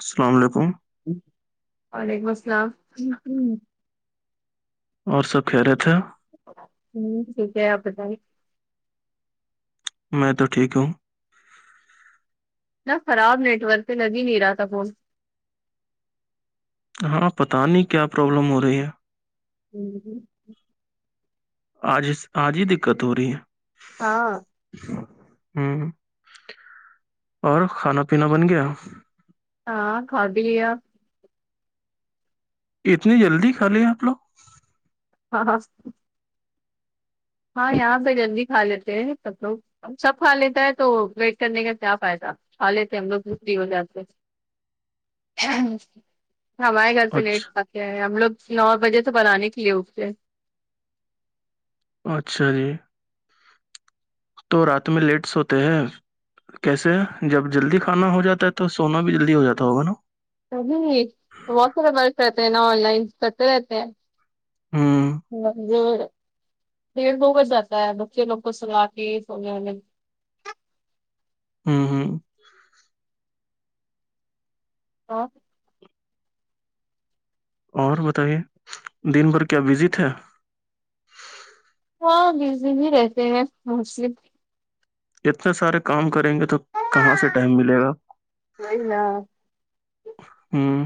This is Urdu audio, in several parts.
السلام علیکم وعلیکم السلام اور سب خیریت ہے ہوں ٹھیک ہے آپ بتائی میں تو ٹھیک ہوں اتنا خراب نیٹ ورک ہے لگ ہی نہیں رہا تھا فون ہاں پتا نہیں کیا پرابلم ہو رہی ہے [inaudible] آج آج ہی دقت ہو رہی ہے ہاں ہ اور کھانا پینا بن گیا ہاں کھا بھی لیا اتنی جلدی کھا لیا آپ لوگ ہاں ہاں ہاں یہاں پہ جلدی کھا لیتے ہیں سب لوگ سب کھا لیتا ہے تو ویٹ کرنے کا کیا فائدہ کھا لیتے ہم لوگ بھی فری ہو جاتے ہمارے گھر پہ لیٹ اچھا کھاتے ہے ہم لوگ نو بجے تو بنانے کے لیے اٹتے ہے اچھا جی تو رات میں لیٹ سوتے ہیں کیسے جب جلدی کھانا ہو جاتا ہے تو سونا بھی جلدی ہو جاتا ہوگا نا کزن ہی وہ سب برس رہتے ہیں نا آن لائن کرتے رہتے ہوں ہاں گوڈ ڈھیٹ دو بج جاتا ہے بچے لوگ سالا کے سونے ونے میں ہاں ہاں آ اور بتائیے دن بھر کیا بزی تھاے ہاں بزی بھی رہتے ہیں اتنے سارے کام کریں گے تو کہاں سے ٹائم ملے گا ہوئی نا ہوں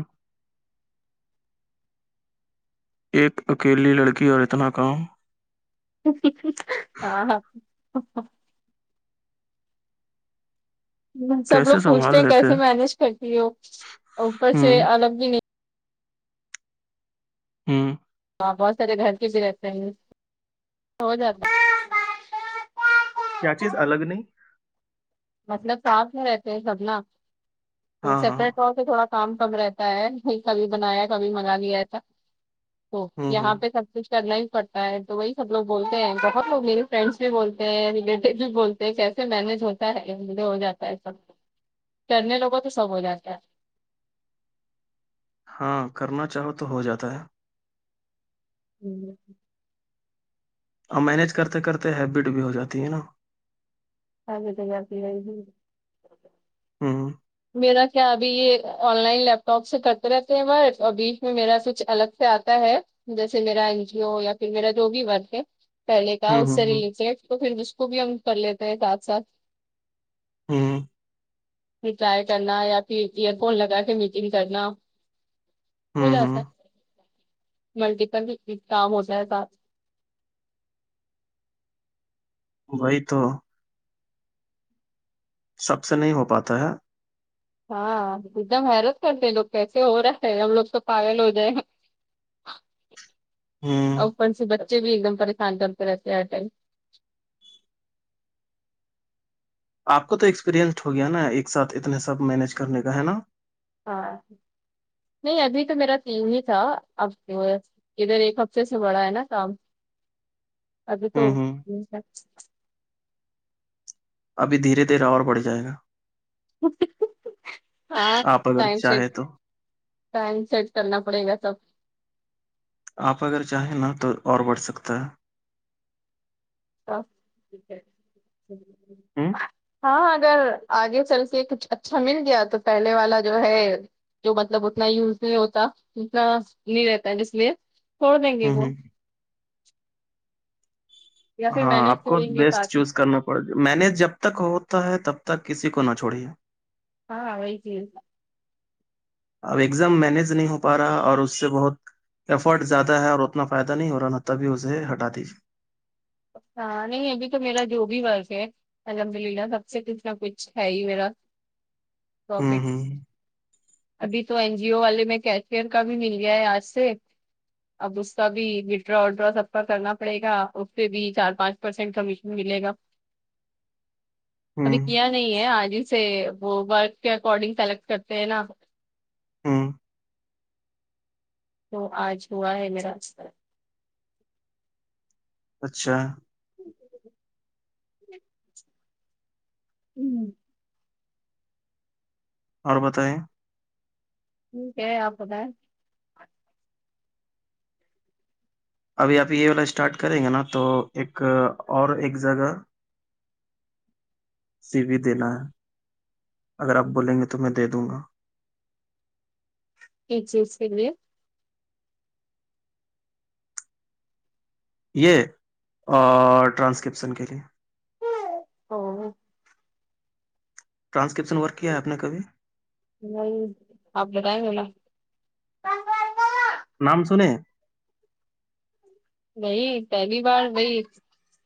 ایک اکیلی لڑکی اور اتنا کام ہاں ہاں سب لوگ کیسے پوچھتے سنبھال ہیں لیتے کیسے مینج کرتی ہو اوپر سے ہوں الگ بھی نہیں ہاں توپ بہت سارے گھر کے بھی رہتے ہیں ہو جاتا کیا چیز الگ نہیں مطلب صاف ہی رہتے ہیں سبنا تو ہاں ہاں سیپریٹ اور سے تھوڑا کام کم رہتا ہے ب کبھی بنایا کبھی منگا لیا تھا ا ہوں ہوں یہاں پہ سب کچھ کرنا بھی پڑتا ہے تو وہی سب لوگ بولتے ہیں بتوگ میے فرینڈس بھی بولتے ہیں ریلیٹیو بھی بولتے کیسے مینج ہوتا ہے مجھے ہو جاتا ہے سب کرنے لوگوں تو سب ہو جاتا ہے ہاں کرنا چاہو تو ہو جاتا ہے ہوں اور مینج کرتے کرتے ہیبٹ بھی ہو جاتی ہے نا آ بپ ہوں میرا کیا ابھی یہ آن لائن لیپ ٹاپ سے کرتے رہتے ہیں ب اور بیچ میں میرا سچھ الگ سے آتا ہے جیسے میرا این جی او یا پھر میرا جو بھی ورگ ہے پہلنے کا ہوں اس سے ہوں ہوں ریلیز ہے تو پھر ج کو بھی ہم کر لیتے ہیں ساتھ ساتھ ہوں رپلائی کرنا یا پھر ایئر فون لگا کے میٹنگ کرنا ہو ہوں جاتسا ہوں ہے ملٹیپل کام ہو جائے سات وہی تو سب سے نہیں ہو پاتا ہے ہاں ایک دم حیرت کرتے لوگ کیسے ہو رہا ہے ہم لوگ تو پاگل ہو جائےیں گ ہوں اوپن سے بچے بھی ایک دم پریشان چتے رہتے ہیں ہر ٹائم آپ کو تو ایکسپیریئنسڈ ہو گیا نا ایک ساتھ اتنے سب مینج کرنے کا ہے نا ہاں نہیں ابھی تو میرا تیو ہی تھا اب ادھر ایک ہفتے سے بڑا ہے نا کام ابھی تو ہوں ہوں ابھی دھیرے دھیرے اور بڑھ جائے گا ہاں آپ اگر ٹائم سیٹ چاہیں تو ٹائم سیٹ کرنا پڑے گا سب آپ اگر چاہیں نا تو اور بڑھ سکتا ہے ہ ہاں اگر آگے چل کے کچھ اچھا مل گیا تو پہلے والا جو ہے جو مطلب اتنا یوز نہیں ہوتا اتنا نہیں رہتا ہے جس لیے چھوڑ دیں گے ہ وہ ہ یا پھر ہاں مینج آپ کو کریں گے بیسٹ ساتھ ہی چوز کرنا میں نے جب تک ہوتا ہے تب تک کسی کو نہ چھوڑیے ہاں وہی چیز اب ایگزام مینج نہیں ہو پا رہا اور اس سے بہت ایفرٹ زیادہ ہے اور اتنا فائدہ نہیں ہو رہا نا تبھی اسے ہٹا دیجیے ہاں نہیں ابھی تو میرا جو بھی ورض ہے الحمد للہ سب سے کتنا کچھ ہے ہی میرا ہوں پرافٹ ہوں ابھی تو این جی او والے میں کیشمیر کا بھی مل گیا ہے آج سے اب اس کا بھی وتڈرا وڈرا سب کا کرنا پڑے گا بھی چار پانچ پرسینٹ کمیشن ملے گا ابھی ہوں کیا نہیں ہے آج ہی سے وہ ورک کے اکارڈنگ سلیکٹ کرتے ہیں نا ہوں تو آج ہوا ہے میرا اچھا [inaudible] [inaudible] اور بتائیے کیا آپ بتائیں ابھی ابھی یہ والا اسٹارٹ کریں گے نا تو ایک اور ایک جگہ سی وی دینا ہے اگر آپ بولیں گے تو میں دے دوں گا کس چیز کے لیے یہ ٹرانسکرپشن کے لیے اوو ٹرسکپشن ورک کیا ہے آپ نے کبھی نہیں آپ بتائیں گے نا نام سنے ہے وہی پہلی بار وہی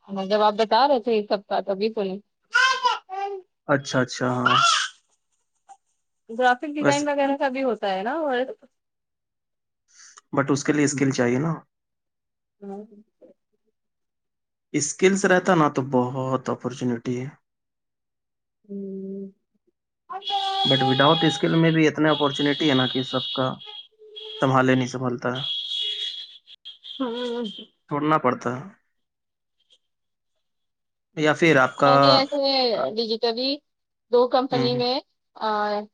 ہم جب آپ بتا رہے تھے اس سپ کا تبھی سنے اچھا اچھا ہاں گرافک ویسے ڈیزائن وغیرہ کا بھی ہوتا ہے نا بٹ اس کے لیے اسکل چاہیے نا ہمم اسکلس رہتا نا تو بہت اپارچونیٹی ہے ہمم بٹ وداؤٹ اسکل میں بھی اتنے اپورچونیٹی ہے نا کہ سب کا سنبھالے نہیں سنبھالتا ہے ہمم ڈونڈنا پڑتا ہے یا پھر آپ کا آگے ایسے ڈیجٹلی دو ہوں کمپنی ہوں میں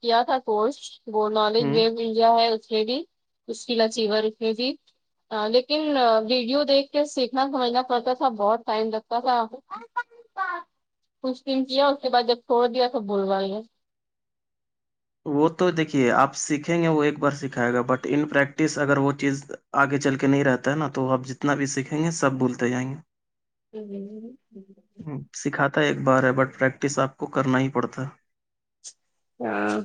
کیا تھا کورس وہ نالج ہوں گین [unintelligible] ہاں لیکن ویڈیو دیکھ کے سیکھنا سمجھنا پڑتا تھا بہت ٹائم لگتا تھا [inaudible] کچ ٹایم کیا اس کے بعد جب چھوڑ دیا سب بھول گیے وہ تو دیکھیے آپ سیکھیں گے وہ ایک بار سکھائے گا بٹ ان پریکٹس اگر وہ چیز آگے چل کے نہیں رہتا ہے نا تو آپ جتنا بھی سیکھیں گے سب بھولتے جائیں گے [inaudible] سکھاتا ہے ایک بار ہے بٹ پریکٹس آپ کو کرنا ہی پڑتا ہاں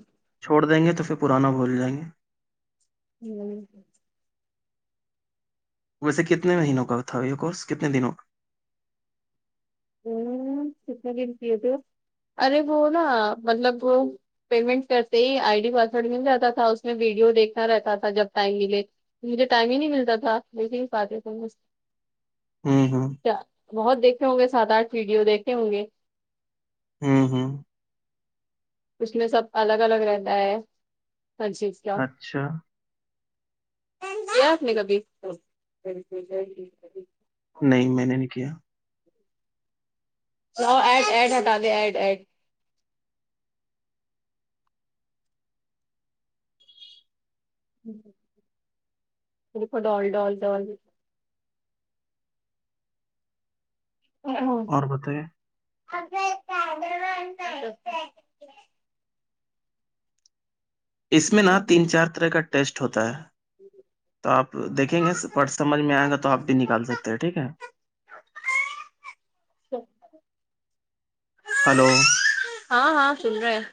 چھوڑ دیں گے تو پھر پرانا بھول جائیں گے ہوں ویسے کتنے مہینوں کا تھا یہ کورس کتنے دنوں کا ہوں کتنے دنتیے تھے ارے وہ نا مطلب [unintelligible] پیمنٹ کرتے ہی آئی ڈی پاسورڈ مل جاتا تھا اس میں ویڈیو دیکھنا رہتا تھا جب ٹائم ملے مجھے ٹائم ہی نہیں ملتا تھا دیکھ ہی نہیں پاتے ت مھ [unintelligible] کا ہوں ہوں بہت دیکھتے ہوں گے سات آٹھ ویڈیو دیکھتے ہوں گے ہاں ہاں [unintelligible] اس میں سب الگ الگ رہتا ہے ہاں جی اچھا کیا آپنے کبھی نہیں میں نے نہیں کیا [unintelligible] لؤ ایڈ ایڈ ہٹا دے ایڈ ایڈ دیکھو ڈال ڈال ڈال اور بتائیں ر [inaudible] اس میں نا تین چار طرح کا ٹیسٹ ہوتا ہے تو آپ دیکھیں گے پر سمجھ میں آئے گا تو آپ بھی نکال سکتے ہیں ٹھیک ہے اٹھ [unintelligible] ہلو ہاں ہاں سن رہے ہیں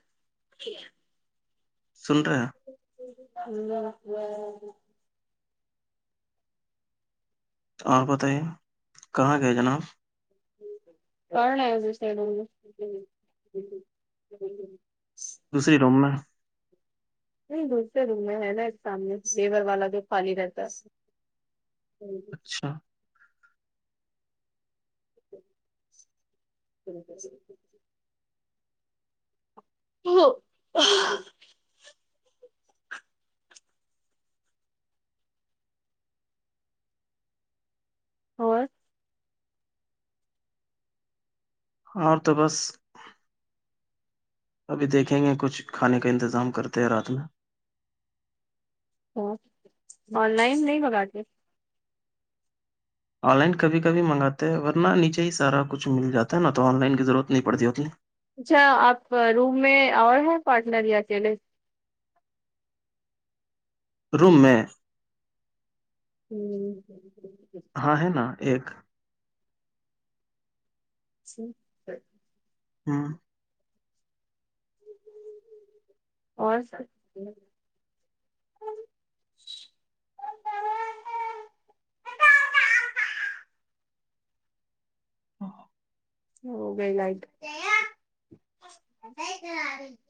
سن رہا [unintelligible] ب [inaudible] آپ بتائیے کہاں گئے جناب کرنا ہے ج سےڈ [inaudible] دوسری روم میں نہیں دوسرے روم میں ہے نا اس سامنے لیبر والا جو پانی رہتا ہے [unintelligible] اچھا ٹھیک [unintelligible] ہو [unintelligible] اور اور تو بس [unintelligible] ابھی دیکھیں گے کچھ کھانے کا انتظام کرتے ہیں رات میں ا آن لائن نہیں مگاتے آن لائن کبھی کبھی منگاتے ہیں اگر نا نیچے ہی سارا کچھ مل جاتا ہے نا تو آن لائن کی ضرورت نہیں پڑتی اتنی [unintelligible] اچھا آپ روم میں آئے ہیں پارٹنر یا اکیلے [unintelligible] روم میں ہوں [unintelligible] ہاں ہے نا ایک ج [inaudible] ہاں اور سب [unintelligible] ہاں [unintelligible] ہوگی لیٹ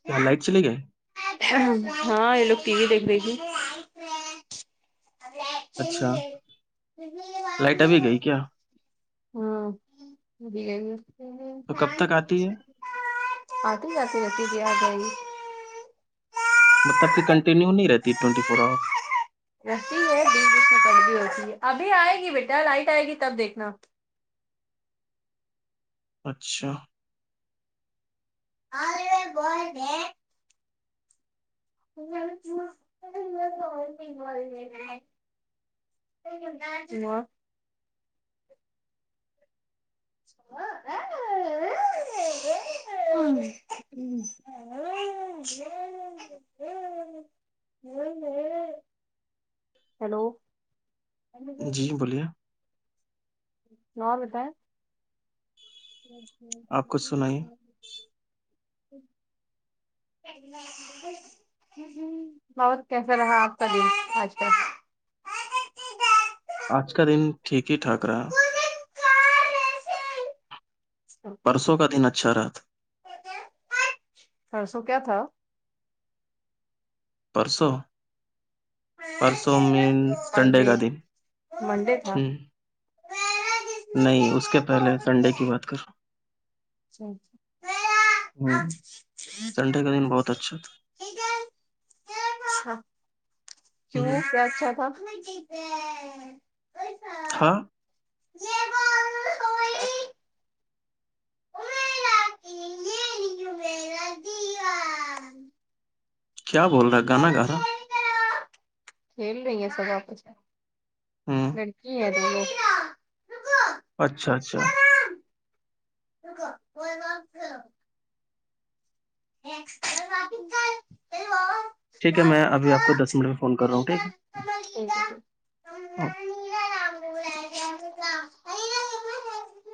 کیا لائٹ چلی گئے ہاں یہ لوگ ٹی وی دیکھ دھے اچھا [unintelligible] ل مار لائٹ نہیں ابھی گئی [inaudible] کیا ہاں [inaudible] تو کب تک آتی ہے آتی آاتتی رہتی اجےگئی مطلب کہ کنٹینیو نہیں رہتی ٹوینٹی فور آورس رہتی ہے بیچچ بیچھ میں کی ہوتی ہے ابھی آئے گی بیٹا لائٹ آئے گی تب دیکھنا اچھا آرو بول میں چ [inaudible] م [inaudible] ہ [inaudible] ہاں ہ [inaudible] [inaudible] ہیلو جی بولیے نود [inaudible] آپ کچھ سنائیے اچچ بت کیسا رہا آپ کا دن آج کل آج کا دن ٹھیک ہی ٹھاک رہا ہ پرسوں کا دن اچھا رہا پررسو کیا تھا پرسوں پرسوں میں سنڈے منڈے کا دن منڈے ہ تھا نہیں اس کے پہلے سنڈے کی بات کر اچھا ہوں ہوں، اچھا کا سنڈے دن بہت اچھا تھا کیوں ہوں کیا اچھا تھا تھا س جول کیا بول رہا ہے گانا گا رہا کھیل رہی ہیں سبا آپھ ہوں کی ہے اچھا اچھا تو گ کوئی گ خ سریے با ٹھیک ہے میں ابھی آپ کو دس منٹ میں فون کر رہا ہوں ٹھیک ہے اوکے ا نام جام